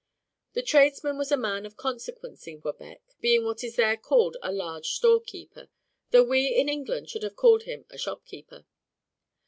The tradesman was a man of consequence in Quebec, being what is there called a large storekeeper, though we in England should have called him a shopkeeper.